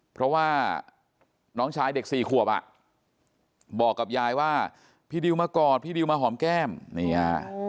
เพราะว่าน้องชายเด็กสี่ขวบอ่ะบอกกับยายว่าพี่ดิวมากอดพี่ดิวมาหอมแก้มนี่ฮะ